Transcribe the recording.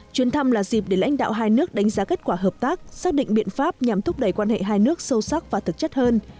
chuyến thăm là dịp để lãnh đạo hai nước đánh giá kết quả hợp tác xác định biện pháp nhằm thúc đẩy quan hệ hai nước sâu sắc và thực chất hơn